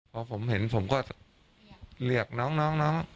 พอผมเห็นผมก็เรียกน้อง